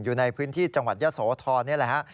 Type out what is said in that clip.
อยู่ในพื้นที่จังหวัดยะโสธรนี่แหละฮะ